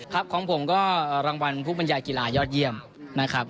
ครับของผมก็รางวัลผู้บรรยายกีฬายอดเยี่ยมนะครับ